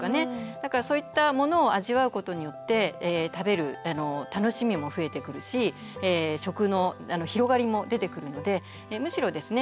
だからそういったものを味わうことによって食べる楽しみも増えてくるし食の広がりも出てくるのでむしろですね